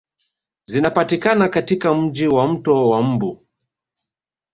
Zinapatikana katika Mji wa mto wa mbu